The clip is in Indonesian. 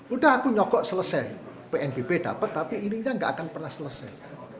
udah aku nyokok selesai pnbp dapat tapi ininya nggak akan pernah selesai